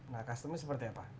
nah customnya seperti apa